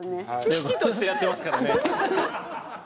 喜々としてやってますからね。